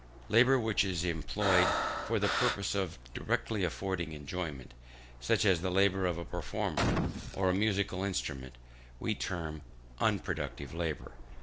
Labour which is employed for the purpose of directly affording enjoyment, such as the labour of a performer on a musical instrument, we term unproductive labour.